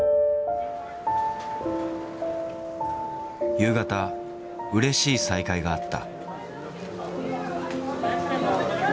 夕方うれしい再会があった。